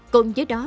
cùng với đó